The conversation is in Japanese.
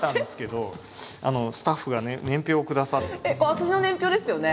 私の年表ですよね？